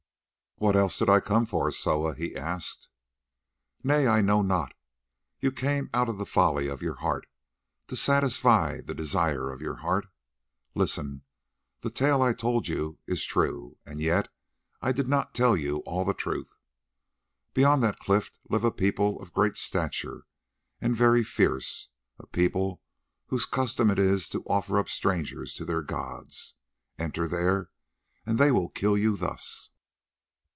"What else did I come for, Soa?" he asked. "Nay, I know not. You came out of the folly of your heart, to satisfy the desire of your heart. Listen, that tale I told you is true, and yet I did not tell you all the truth. Beyond that cliff live a people of great stature, and very fierce; a people whose custom it is to offer up strangers to their gods. Enter there, and they will kill you thus."